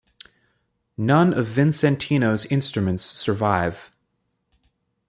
None of Vicentino's instruments survive.